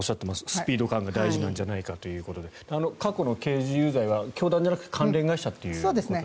スピード感が大事なんじゃないかということで過去の刑事有罪は教団じゃなくて関連会社ということですね。